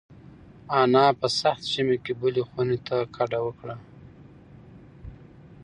انا په سخت ژمي کې بلې خونې ته کډه وکړه.